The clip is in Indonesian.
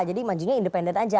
jadi majunya independen aja